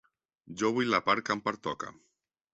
Jo vull la part que em pertoca.